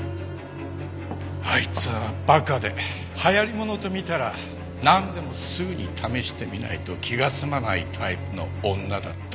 あいつは馬鹿で流行りものと見たらなんでもすぐに試してみないと気が済まないタイプの女だった。